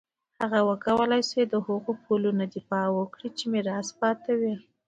هغه وکولای شول له هغو پولو نه دفاع وکړي چې میراث پاتې وې.